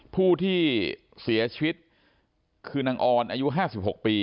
ผู้ที่เสียชีวิตคือนางออนอายุ๕๖ปี